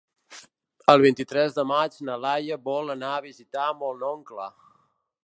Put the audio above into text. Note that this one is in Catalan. El vint-i-tres de maig na Laia vol anar a visitar mon oncle.